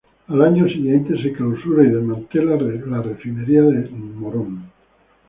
Al año siguiente la Refinería de Morón es clausurada y desmantelada.